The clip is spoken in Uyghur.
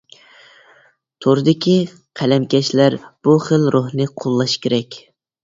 توردىكى قەلەمكەشلەر بۇ خىل روھنى قوللاش كېرەك.